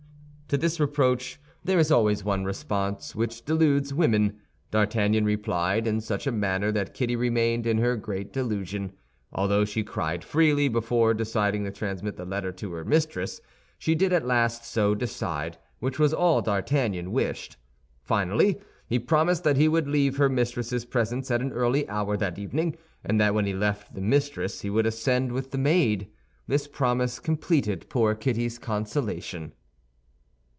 To this reproach there is always one response which deludes women. D'Artagnan replied in such a manner that Kitty remained in her great delusion. Although she cried freely before deciding to transmit the letter to her mistress, she did at last so decide, which was all D'Artagnan wished. Finally he promised that he would leave her mistress's presence at an early hour that evening, and that when he left the mistress he would ascend with the maid. This promise completed poor Kitty's consolation.